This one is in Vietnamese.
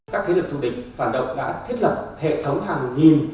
các thế lực thù địch phản động đã thiết lập hệ thống hàng nghìn